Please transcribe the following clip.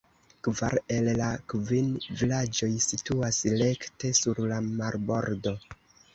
Kvar el la kvin vilaĝoj situas rekte sur la marbordo.